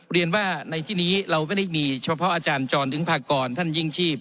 เรียนว่าในที่นี้เราไม่ได้มีเฉพาะอาจารย์จรถึงพากรท่านยิ่งชีพ